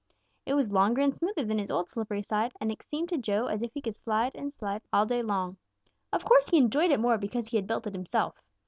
It was longer and smoother than his old slippery slide, and it seemed to Little Joe as if he could slide and slide all day long. Of course he enjoyed it more because he had built it himself.